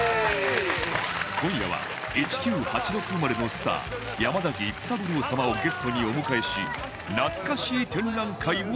今夜は１９８６生まれのスター山崎育三郎様をゲストにお迎えしなつかしー展覧会を開催